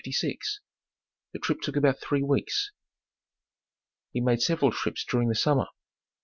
The trip took about three weeks. He made several trips during the summer.